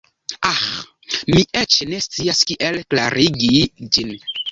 Aĥ, mi eĉ ne scias kiel klarigi ĝin.